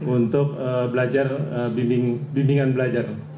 untuk belajar bimbingan belajar